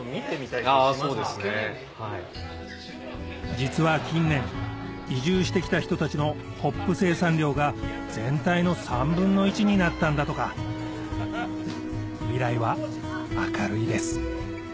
実は近年移住してきた人たちのホップ生産量が全体の３分の１になったんだとか未来は明るいです